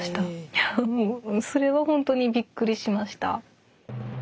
いやもうそれはほんとにびっくりしました。